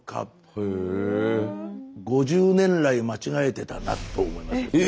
５０年来間違えてたなと思いました。